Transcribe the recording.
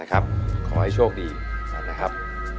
ขอให้โชคดีนะครับ